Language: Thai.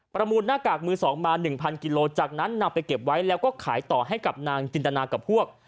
มูลหน้ากากมือ๒มา๑๐๐กิโลจากนั้นนำไปเก็บไว้แล้วก็ขายต่อให้กับนางจินตนากับพวก